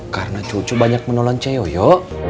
karena cucu banyak menolong ciyoyo